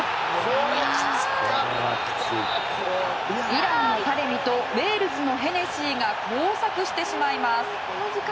イランのタレミとウェールズのヘネシーが交錯してしまいます。